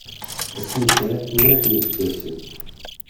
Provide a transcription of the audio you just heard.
Asmi i sɛiɣ tnac n yiseggasen.